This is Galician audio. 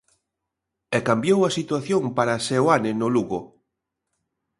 E cambiou a situación para Seoane no Lugo.